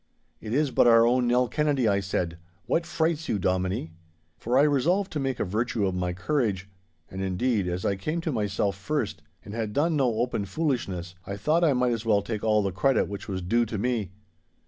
'It is but our own Nell Kennedy,' I said. 'What frights you, Dominie?' For I resolved to make a virtue of my courage. And, indeed, as I came to myself first, and had done no open foolishness, I thought I might as well take all the credit which was due to me.